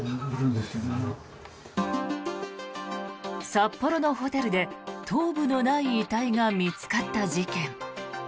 札幌のホテルで頭部のない遺体が見つかった事件。